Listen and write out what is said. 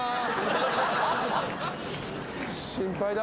心配だ。